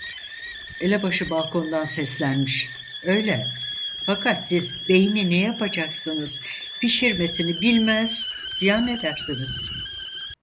Elebaşı balkondan seslenmiş: "Öyle… Fakat siz beyni ne yapacaksınız? Pişirmesini bilmez, ziyan edersiniz!"